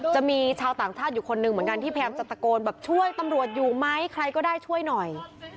จะมีชาวต่างชาติอยู่คนหนึ่งเหมือนกันที่พยายามจะตะโกนแบบช่วยตำรวจอยู่ไหมใครก็ได้ช่วยหน่อย